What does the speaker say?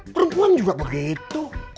perempuan juga begitu